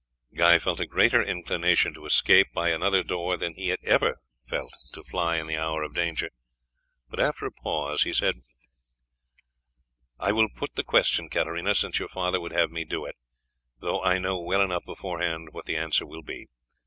Guy felt a greater inclination to escape by another door than he had ever felt to fly in the hour of danger, but after a pause he said: "I will put the question, Katarina, since your father would have me do it, though I know well enough beforehand what the answer will be.